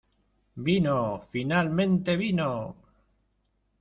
¡ Vino! ¡ finalmente vino !